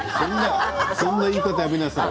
そんな言い方やめなさい。